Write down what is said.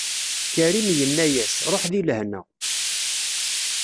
Karim yenna-as: Ṛuḥ di lehna.